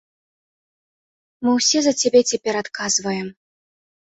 Мы ўсе за цябе цяпер адказваем.